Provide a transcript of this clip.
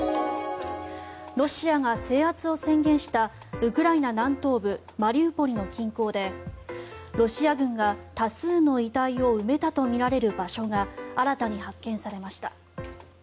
ロシアが制圧を宣言したウクライナ南東部マリウポリの近郊でロシア軍が多数の遺体を埋めたとみられる場所が新たに発見されました。